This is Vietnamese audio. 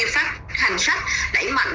phát hành sách đẩy mạnh